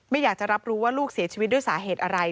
อยากจะรับรู้ว่าลูกเสียชีวิตด้วยสาเหตุอะไร